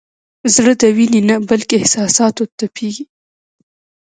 زړه د وینې نه بلکې احساساتو تپېږي.